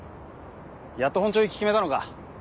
やっと本庁行き決めたのか？